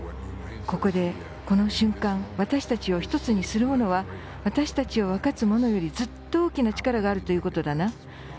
ここで、この瞬間私たちを１つにするものは私たちを分かつものよりずっと大きな力があるということだな。